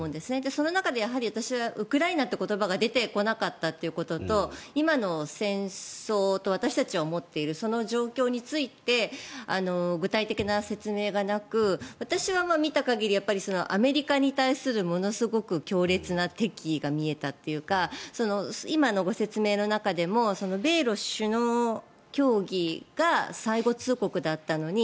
その中で私はウクライナという言葉が出てこなかったということと今の戦争と私たちは思っているその状況について具体的な説明がなく私は見た限りではやっぱり、アメリカに対するものすごい敵意が見えたというか今のご説明の中でも米ロ首脳協議が最後通告だったのに